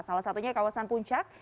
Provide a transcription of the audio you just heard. salah satunya kawasan puncak